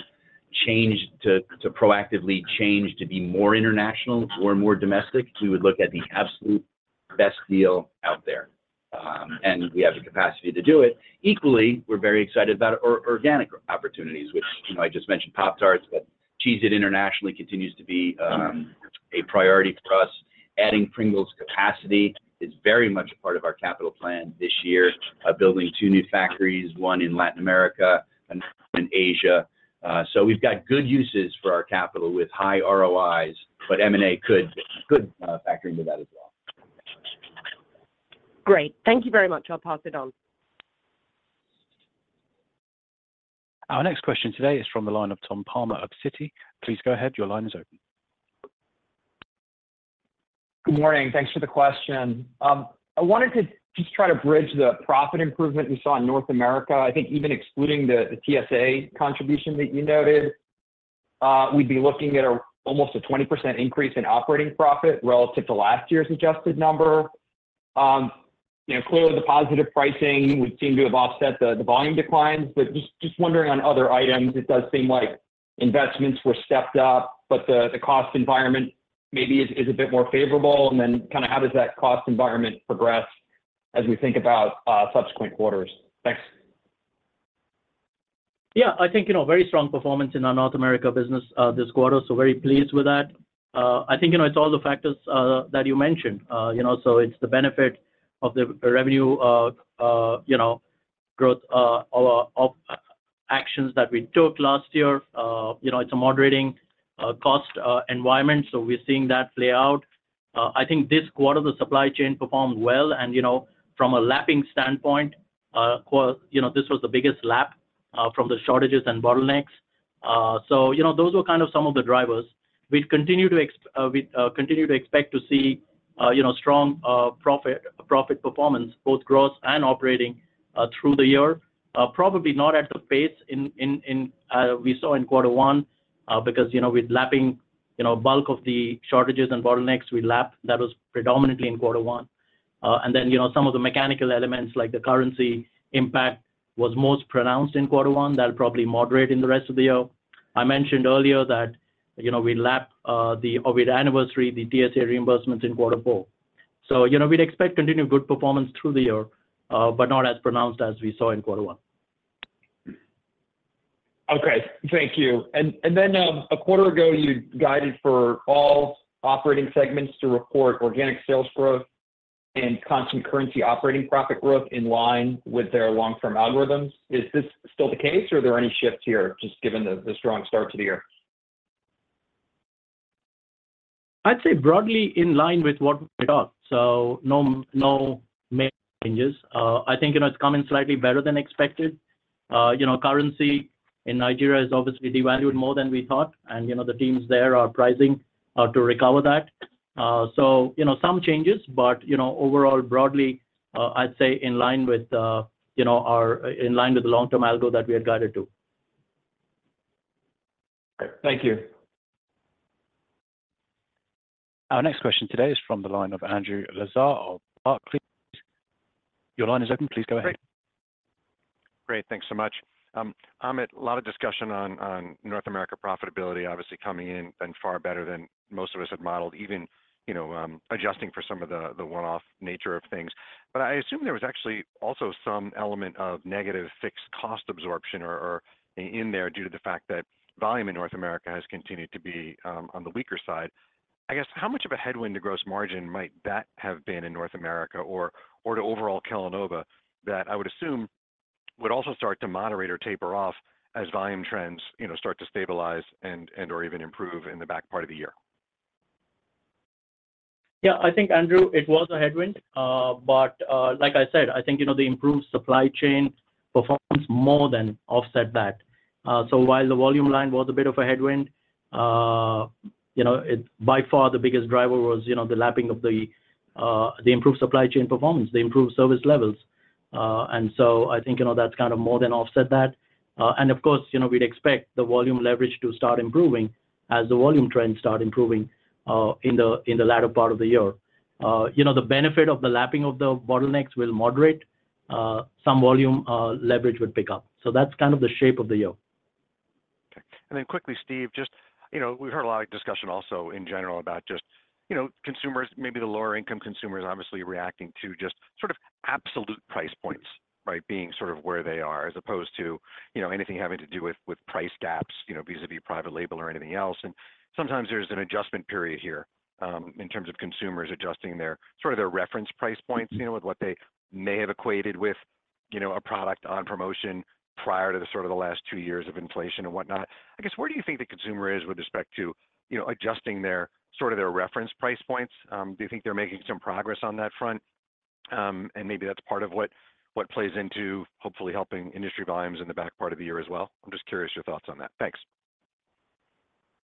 change, to, to proactively change to be more international or more domestic. We would look at the absolute best deal out there, and we have the capacity to do it. Equally, we're very excited about our organic opportunities, which, you know, I just mentioned Pop-Tarts, but Cheez-It internationally continues to be a priority for us. Adding Pringles capacity is very much a part of our capital plan this year, building two new factories, one in Latin America and in Asia. So we've got good uses for our capital with high ROIs, but M&A could factor into that as well. Great. Thank you very much. I'll pass it on. Our next question today is from the line of Tom Palmer of Citi. Please go ahead. Your line is open. Good morning. Thanks for the question. I wanted to just try to bridge the profit improvement we saw in North America. I think even excluding the TSA contribution that you noted, we'd be looking at almost a 20% increase in operating profit relative to last year's adjusted number. You know, clearly, the positive pricing would seem to have offset the volume declines, but just wondering on other items, it does seem like investments were stepped up, but the cost environment maybe is a bit more favorable. And then kind of how does that cost environment progress as we think about subsequent quarters? Thanks. Yeah, I think, you know, very strong performance in our North America business this quarter, so very pleased with that. I think, you know, it's all the factors that you mentioned. You know, so it's the benefit of the revenue, you know, growth or of actions that we took last year. You know, it's a moderating cost environment, so we're seeing that play out. I think this quarter, the supply chain performed well, and, you know, from a lapping standpoint, you know, this was the biggest lap from the shortages and bottlenecks. So, you know, those were kind of some of the drivers. We continue to expect to see, you know, strong profit performance, both gross and operating, through the year. Probably not at the pace in we saw in quarter one, because, you know, with lapping, you know, bulk of the shortages and bottlenecks, we lapped. That was predominantly in quarter one. And then, you know, some of the mechanical elements, like the currency impact, was most pronounced in quarter one. That'll probably moderate in the rest of the year. I mentioned earlier that, you know, we lapped the COVID anniversary, the TSA reimbursements in quarter four. So, you know, we'd expect continued good performance through the year, but not as pronounced as we saw in quarter one. Okay, thank you. And then, a quarter ago, you guided for all operating segments to report organic sales growth and constant currency operating profit growth in line with their long-term algorithms. Is this still the case, or are there any shifts here, just given the strong start to the year? I'd say broadly in line with what we thought, so no, no major changes. I think, you know, it's coming slightly better than expected. You know, currency in Nigeria is obviously devalued more than we thought, and, you know, the teams there are pricing to recover that. So, you know, some changes, but, you know, overall, broadly, I'd say in line with, you know, in line with the long-term algo that we had guided to. Thank you. Our next question today is from the line of Andrew Lazar of Barclays. Your line is open. Please go ahead. Great. Thanks so much. Amit, a lot of discussion on, on North America profitability, obviously coming in been far better than most of us had modeled, even, you know, adjusting for some of the, the one-off nature of things. But I assume there was actually also some element of negative fixed cost absorption or, or in there due to the fact that volume in North America has continued to be, on the weaker side. I guess, how much of a headwind to gross margin might that have been in North America or, or to overall Kellanova, that I would assume would also start to moderate or taper off as volume trends, you know, start to stabilize and, and/or even improve in the back part of the year? Yeah, I think, Andrew, it was a headwind. But, like I said, I think, you know, the improved supply chain performance more than offset that. So while the volume line was a bit of a headwind, you know, it, by far, the biggest driver was, you know, the lapping of the improved supply chain performance, the improved service levels. And so I think, you know, that's kind of more than offset that. And of course, you know, we'd expect the volume leverage to start improving as the volume trends start improving, in the latter part of the year. You know, the benefit of the lapping of the bottlenecks will moderate, some volume leverage would pick up. So that's kind of the shape of the year. Okay. And then quickly, Steve, just, you know, we heard a lot of discussion also in general about just, you know, consumers, maybe the lower income consumers, obviously reacting to just sort of absolute price points, right? Being sort of where they are, as opposed to, you know, anything having to do with, with price gaps, you know, vis-à-vis private label or anything else. And sometimes there's an adjustment period here, in terms of consumers adjusting their, sort of their reference price points, you know, with what they may have equated with, you know, a product on promotion prior to the sort of the last two years of inflation and whatnot. I guess, where do you think the consumer is with respect to, you know, adjusting their, sort of their reference price points? Do you think they're making some progress on that front? Maybe that's part of what plays into hopefully helping industry volumes in the back part of the year as well. I'm just curious your thoughts on that. Thanks.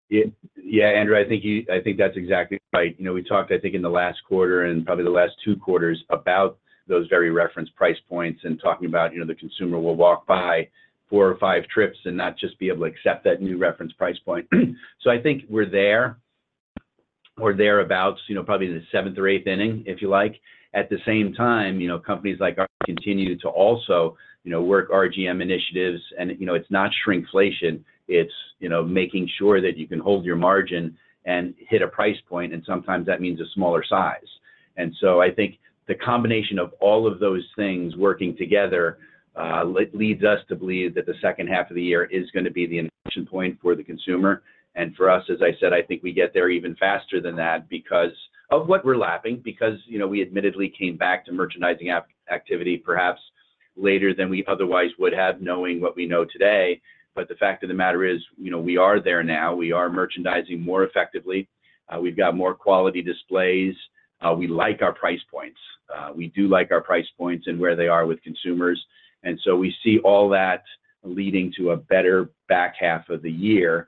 Yeah, yeah, Andrew, I think you—I think that's exactly right. You know, we talked, I think, in the last quarter and probably the last two quarters about those very reference price points and talking about, you know, the consumer will walk by four or five trips and not just be able to accept that new reference price point. So I think we're there or thereabouts, you know, probably in the seventh or eighth inning, if you like. At the same time, you know, companies like ours continue to also, you know, work RGM initiatives and, you know, it's not shrinkflation, it's, you know, making sure that you can hold your margin and hit a price point, and sometimes that means a smaller size. And so I think the combination of all of those things working together leads us to believe that the second half of the year is gonna be the inflection point for the consumer and for us. As I said, I think we get there even faster than that because of what we're lapping, because, you know, we admittedly came back to merchandising activity perhaps later than we otherwise would have, knowing what we know today. But the fact of the matter is, you know, we are there now. We are merchandising more effectively. We've got more quality displays. We like our price points. We do like our price points and where they are with consumers, and so we see all that leading to a better back half of the year,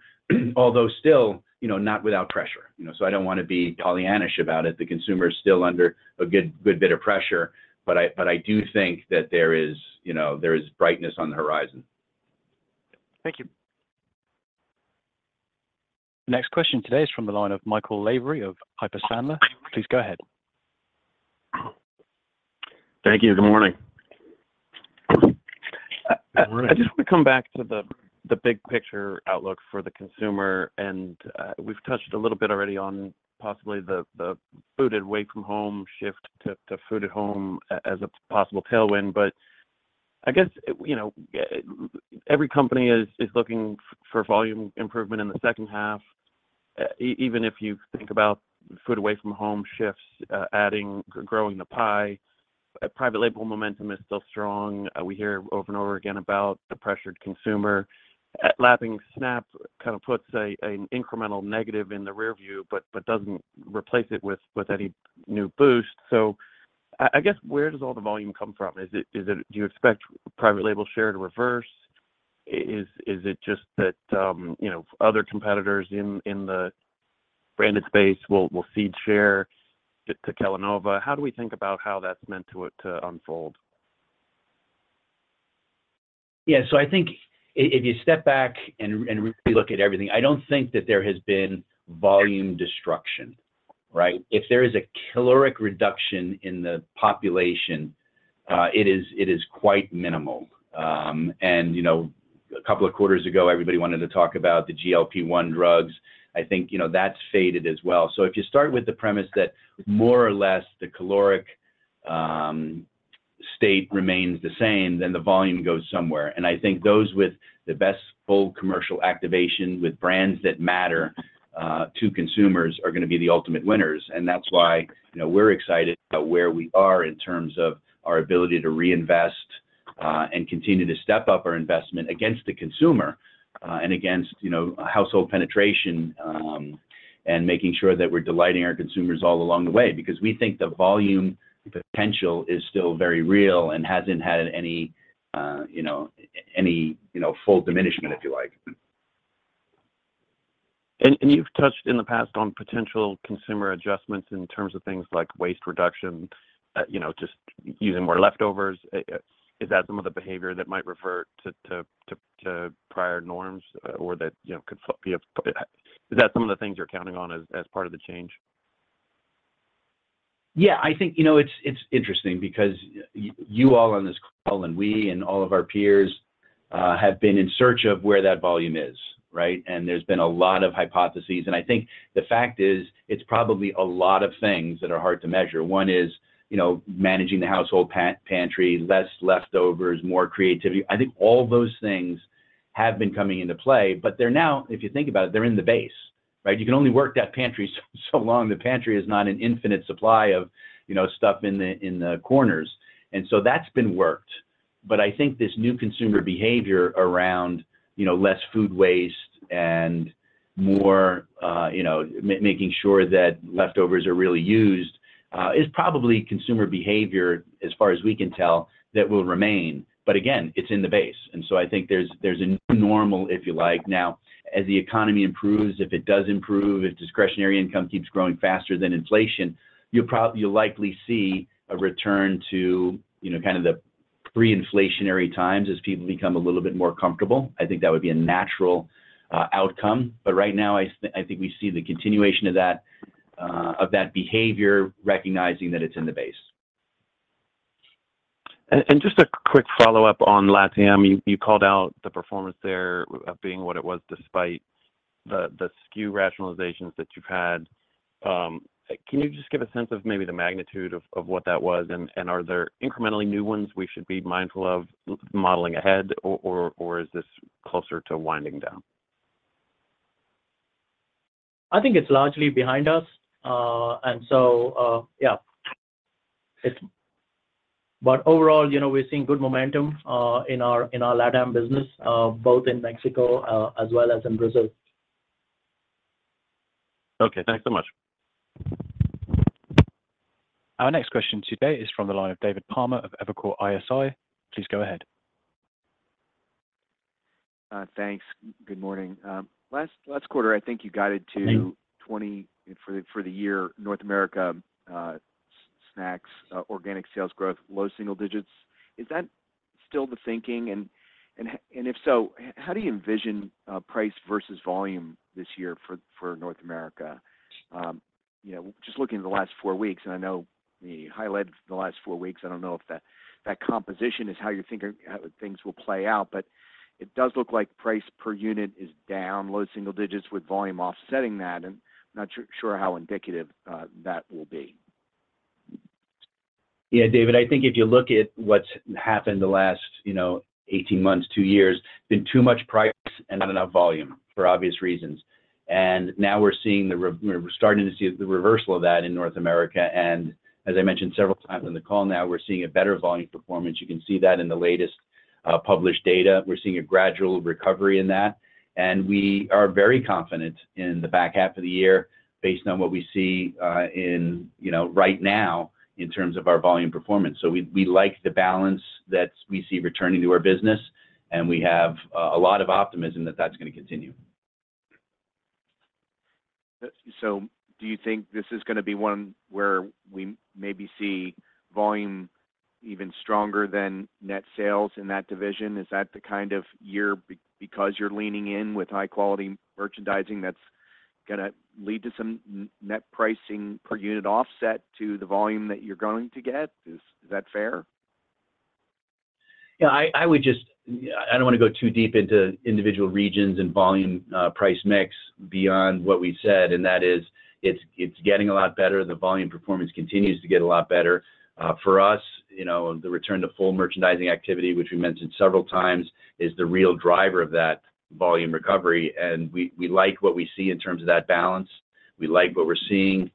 although still, you know, not without pressure. You know, so I don't want to be Pollyannish about it. The consumer is still under a good, good bit of pressure, but I, but I do think that there is, you know, there is brightness on the horizon. Thank you. The next question today is from the line of Michael Lavery of Piper Sandler. Please go ahead. Thank you. Good morning. Good morning. I just want to come back to the big picture outlook for the consumer, and we've touched a little bit already on possibly the food away from home shift to food at home as a possible tailwind. But I guess, you know, every company is looking for volume improvement in the second half. Even if you think about food away from home shifts, adding, growing the pie, private label momentum is still strong. We hear over and over again about the pressured consumer. Lapping SNAP kind of puts an incremental negative in the rearview, but doesn't replace it with any new boost. So I guess, where does all the volume come from? Is it-- do you expect private label share to reverse? Is it just that, you know, other competitors in the branded space will cede share to Kellanova? How do we think about how that's meant to unfold?... Yeah, so I think if you step back and, and really look at everything, I don't think that there has been volume destruction, right? If there is a caloric reduction in the population, it is quite minimal. And, you know, a couple of quarters ago, everybody wanted to talk about the GLP-1 drugs. I think, you know, that's faded as well. So if you start with the premise that more or less, the caloric state remains the same, then the volume goes somewhere. And I think those with the best full commercial activation, with brands that matter to consumers, are gonna be the ultimate winners. That's why, you know, we're excited about where we are in terms of our ability to reinvest, and continue to step up our investment against the consumer, and against, you know, household penetration, and making sure that we're delighting our consumers all along the way. Because we think the volume potential is still very real and hasn't had any, you know, any, you know, full diminishment, if you like. And you've touched in the past on potential consumer adjustments in terms of things like waste reduction, you know, just using more leftovers. Is that some of the behavior that might revert to prior norms, or that, you know, could be some of the things you're counting on as part of the change? Yeah, I think, you know, it's, it's interesting because you all on this call, and we and all of our peers have been in search of where that volume is, right? And there's been a lot of hypotheses. And I think the fact is, it's probably a lot of things that are hard to measure. One is, you know, managing the household pantry, less leftovers, more creativity. I think all those things have been coming into play, but they're now, if you think about it, they're in the base, right? You can only work that pantry so, so long. The pantry is not an infinite supply of, you know, stuff in the, in the corners, and so that's been worked. But I think this new consumer behavior around, you know, less food waste and more, making sure that leftovers are really used, is probably consumer behavior, as far as we can tell, that will remain. But again, it's in the base, and so I think there's a new normal, if you like. Now, as the economy improves, if it does improve, if discretionary income keeps growing faster than inflation, you'll likely see a return to, you know, kind of the pre-inflationary times as people become a little bit more comfortable. I think that would be a natural outcome. But right now, I think we see the continuation of that, of that behavior, recognizing that it's in the base. Just a quick follow-up on LatAm. You called out the performance there of being what it was, despite the SKU rationalizations that you've had. Can you just give a sense of maybe the magnitude of what that was? And are there incrementally new ones we should be mindful of modeling ahead, or is this closer to winding down? I think it's largely behind us, and so, yeah. But overall, you know, we're seeing good momentum in our LatAm business, both in Mexico as well as in Brazil. Okay, thanks so much. Our next question today is from the line of David Palmer of Evercore ISI. Please go ahead. Thanks. Good morning. Last quarter, I think you guided to- Hey... 2024 for the year, North America snacks organic sales growth, low single digits. Is that still the thinking? And if so, how do you envision price versus volume this year for North America? You know, just looking at the last four weeks, and I know you highlighted the last four weeks, I don't know if that composition is how you're thinking things will play out. But it does look like price per unit is down low single digits, with volume offsetting that. And not sure how indicative that will be. Yeah, David, I think if you look at what's happened the last, you know, 18 months, two years, been too much price and not enough volume, for obvious reasons. Now we're starting to see the reversal of that in North America, and as I mentioned several times on the call, now we're seeing a better volume performance. You can see that in the latest published data. We're seeing a gradual recovery in that, and we are very confident in the back half of the year based on what we see in, you know, right now, in terms of our volume performance. We like the balance that we see returning to our business, and we have a lot of optimism that that's gonna continue. So do you think this is gonna be one where we maybe see volume even stronger than net sales in that division? Is that the kind of year because you're leaning in with high-quality merchandising, that's gonna lead to some net pricing per unit offset to the volume that you're going to get? Is that fair? Yeah, I would just—I don't want to go too deep into individual regions and volume, price mix beyond what we've said, and that is, it's getting a lot better. The volume performance continues to get a lot better. For us, you know, the return to full merchandising activity, which we mentioned several times, is the real driver of that volume recovery, and we like what we see in terms of that balance. We like what we're seeing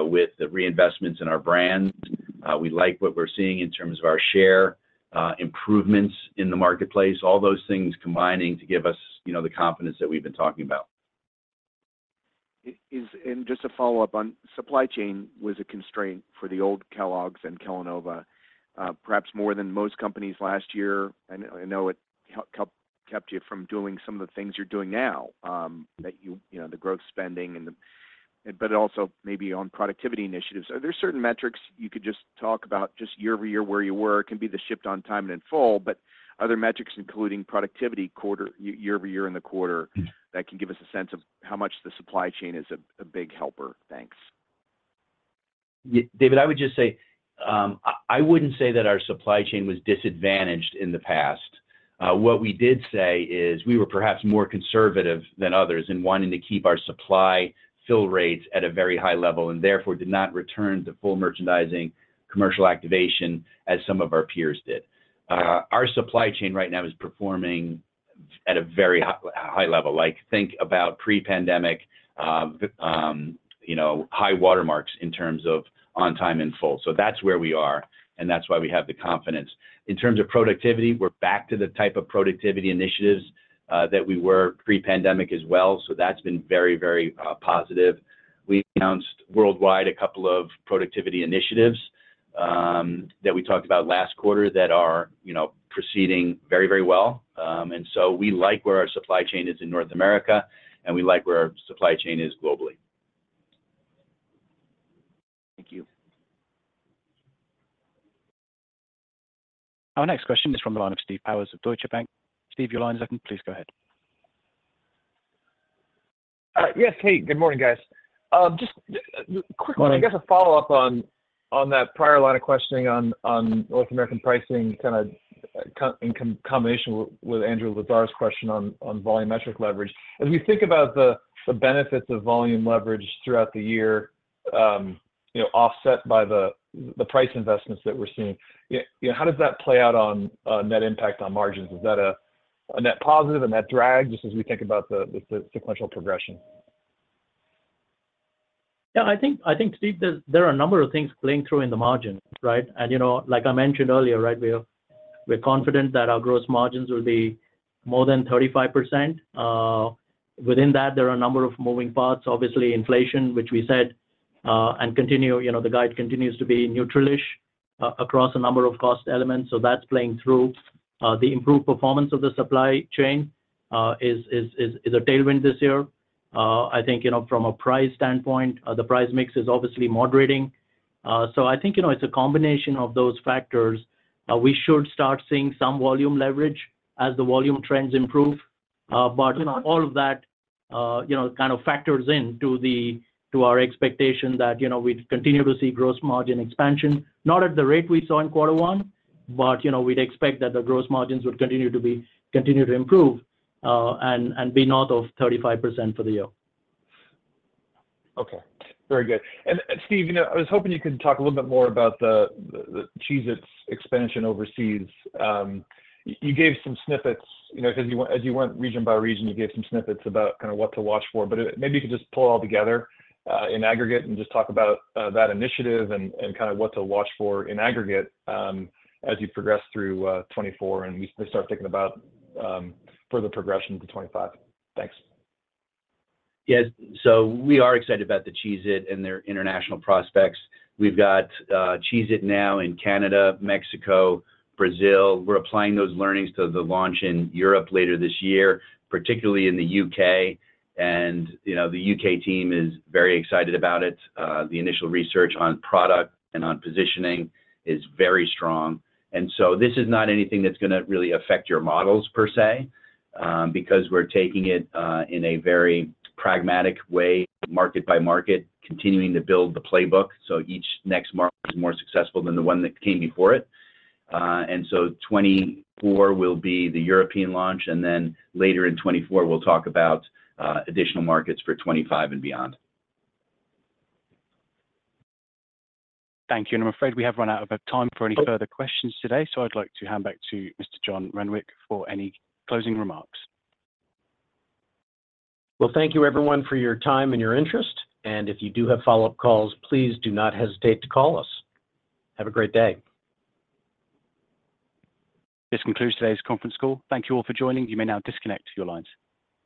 with the reinvestments in our brands. We like what we're seeing in terms of our share improvements in the marketplace. All those things combining to give us, you know, the confidence that we've been talking about. Just a follow-up on supply chain was a constraint for the old Kellogg's and Kellanova, perhaps more than most companies last year. And I know it helped keep you from doing some of the things you're doing now, that you know, the growth spending and... but also maybe on productivity initiatives. Are there certain metrics you could just talk about, just year-over-year, where you were? It can be the shipped on time and in full, but other metrics, including productivity quarter-over-year in the quarter, that can give us a sense of how much the supply chain is a big helper. Thanks. Yeah, David, I would just say I wouldn't say that our supply chain was disadvantaged in the past. What we did say is we were perhaps more conservative than others in wanting to keep our supply fill rates at a very high level, and therefore did not return to full merchandising commercial activation as some of our peers did. Our supply chain right now is performing at a very high, high level, like, think about pre-pandemic, you know, high watermarks in terms of on time, in full. So that's where we are, and that's why we have the confidence. In terms of productivity, we're back to the type of productivity initiatives that we were pre-pandemic as well, so that's been very, very positive. We announced worldwide a couple of productivity initiatives that we talked about last quarter that are, you know, proceeding very, very well. So we like where our supply chain is in North America, and we like where our supply chain is globally. Thank you. Our next question is from the line of Steve Powers of Deutsche Bank. Steve, your line is open. Please go ahead. Yes. Hey, good morning, guys. Just quickly, I guess a follow-up on that prior line of questioning on North American pricing, kind of in combination with Andrew Lazar's question on volume leverage. As we think about the benefits of volume leverage throughout the year, you know, offset by the price investments that we're seeing, yeah, how does that play out on net impact on margins? Is that a net positive, a net drag, just as we think about the sequential progression? Yeah, I think, Steve, there are a number of things playing through in the margin, right? You know, like I mentioned earlier, right, we're confident that our gross margins will be more than 35%. Within that, there are a number of moving parts, obviously, inflation, which we said, and continue, you know, the guide continues to be neutral-ish across a number of cost elements, so that's playing through. The improved performance of the supply chain is a tailwind this year. I think, you know, from a price standpoint, the price mix is obviously moderating. So I think, you know, it's a combination of those factors. We should start seeing some volume leverage as the volume trends improve. But, you know, all of that, you know, kind of factors into our expectation that, you know, we'd continue to see gross margin expansion, not at the rate we saw in quarter one, but, you know, we'd expect that the gross margins would continue to be, continue to improve, and be north of 35% for the year. Okay, very good. And Steve, you know, I was hoping you could talk a little bit more about the Cheez-It expansion overseas. You gave some snippets, you know, as you went region by region, you gave some snippets about kind of what to watch for, but maybe you could just pull it all together in aggregate and just talk about that initiative and kind of what to watch for in aggregate as you progress through 2024, and we start thinking about further progression to 2025. Thanks. Yes. So we are excited about the Cheez-It and their international prospects. We've got Cheez-It now in Canada, Mexico, Brazil. We're applying those learnings to the launch in Europe later this year, particularly in the U.K., and, you know, the U.K. team is very excited about it. The initial research on product and on positioning is very strong. And so this is not anything that's gonna really affect your models per se, because we're taking it in a very pragmatic way, market by market, continuing to build the playbook, so each next market is more successful than the one that came before it. And so 2024 will be the European launch, and then later in 2024, we'll talk about additional markets for 2025 and beyond. Thank you. I'm afraid we have run out of time for any further questions today, so I'd like to hand back to Mr. John Renwick for any closing remarks. Well, thank you, everyone, for your time and your interest, and if you do have follow-up calls, please do not hesitate to call us. Have a great day. This concludes today's conference call. Thank you all for joining. You may now disconnect your lines.